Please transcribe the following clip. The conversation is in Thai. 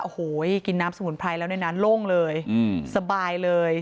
โอ้โหกินน้ำสมุนไพรแล้วในนั้นโล่งเลยสบายเลย